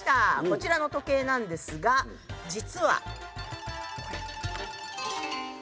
こちらの時計なんですが実はこれ。